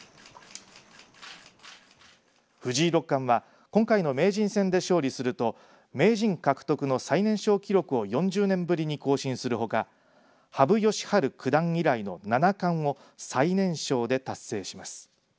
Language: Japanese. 藤井六冠は今回の名人戦で勝利すると名人獲得の最年少記録を４０年ぶりに更新するほか羽生善治九段以来の七冠を最年少で達成します。